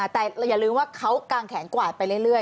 แต่อย่าลืมว่าเขากางแขนกวาดไปเรื่อย